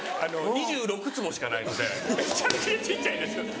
２６坪しかないのでめちゃくちゃ小っちゃいです。